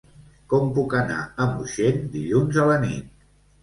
Com puc anar a Moixent dilluns a la nit?